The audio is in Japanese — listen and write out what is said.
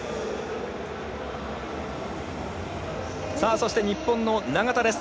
そして、日本の永田です。